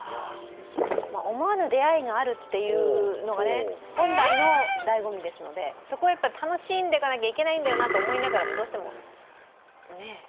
思わぬ出会いがあるというのが本来のだいご味ですのでそこを楽しんでかなきゃいけないんだよなと思いながらどうしてもねえ